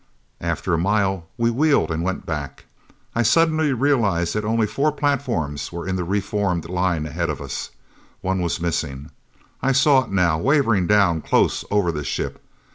After a mile we wheeled and went back. I suddenly realized that only four platforms were in the re formed line ahead of us. One was missing! I saw it now, wavering down, close over the ship.